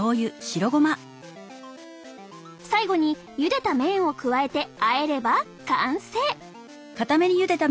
最後にゆでた麺を加えてあえれば完成！